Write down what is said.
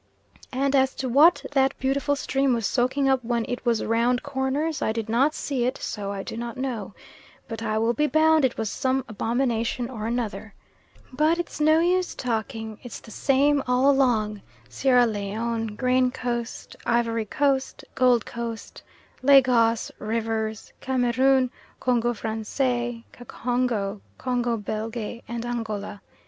and as to what that beautiful stream was soaking up when it was round corners I did not see it, so I do not know but I will be bound it was some abomination or another. But it's no use talking, it's the same all along, Sierra Leone, Grain Coast, Ivory Coast, Gold Coast, Lagos, Rivers, Cameroon, Congo Francais, Kacongo, Congo Belge, and Angola.